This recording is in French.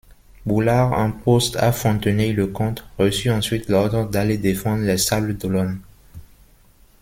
Boulard, en poste à Fontenay-le-Comte, reçut ensuite l'ordre d'aller défendre Les Sables-d'Olonne.